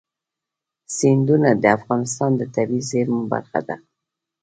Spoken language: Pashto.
سیندونه د افغانستان د طبیعي زیرمو برخه ده.